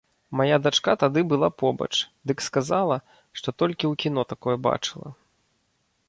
Мая дачка тады была побач, дык сказала, што толькі ў кіно такое бачыла.